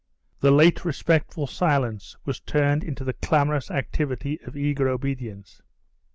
The late respectful silence was turned into the clamorous activity of eager obedience.